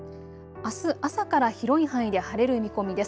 あす朝から広い範囲で晴れる見込みです。